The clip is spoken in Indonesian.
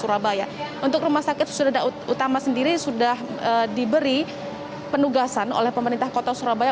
untuk rumah sakit susurada utama sendiri sudah diberi penugasan oleh pemerintah kota surabaya